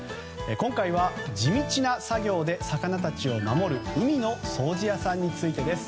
今回は、地道な作業で魚たちを守る海の掃除屋さんについてです。